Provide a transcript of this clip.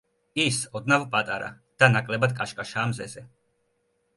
ის ოდნავ პატარა და ნაკლებად კაშკაშაა მზეზე.